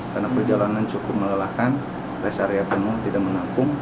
karena perjalanan cukup melelahkan res area penuh tidak menangkung